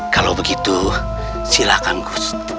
kalau begitu silakan gusti